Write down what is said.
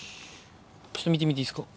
ちょっと見てみていいですか？